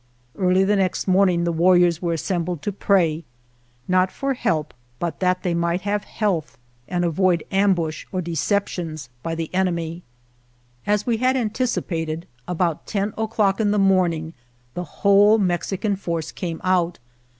Early the next morning the warriors were assembled to pray — not for help, but that they might have health and avoid am bush or deceptions by the enemy. As we had anticipated, about ten o'clock in the morning the whole Mexican force came out.